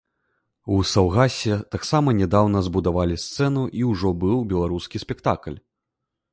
У саўгасе таксама нядаўна збудавалі сцэну і ўжо быў беларускі спектакль.